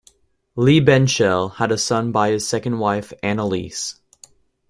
Liebehenschel had a son by his second wife, Anneliese.